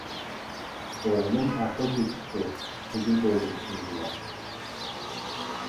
ئوغلۇم ئەقىل تېپىپتۇ، خىجىل بولدۇم شۇندىلا.